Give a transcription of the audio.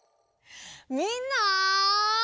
みんな！